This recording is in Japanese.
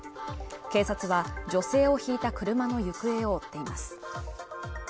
警察は女性をひいた車の行方を追っています